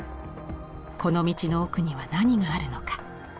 この道の奥には何があるのか。